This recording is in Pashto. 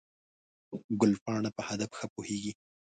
ګلپاڼه په هدف ښه پوهېږي.